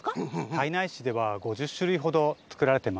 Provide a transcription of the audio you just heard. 胎内市では５０しゅるいほどつくられてます。